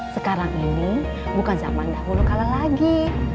sekarang ini bukan zaman dahulu kalah lagi